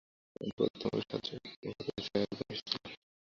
সম্প্রতি আমাকে সাহায্য করবার জন্য ভারতবর্ষ থেকে আর একজন এসেছেন।